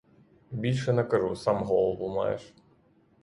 Більше не кажу, сам голову маєш.